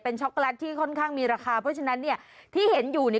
ช็อกโกแลตที่ค่อนข้างมีราคาเพราะฉะนั้นเนี่ยที่เห็นอยู่เนี่ย